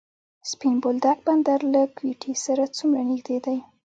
سپین بولدک بندر له کویټې سره څومره نږدې دی؟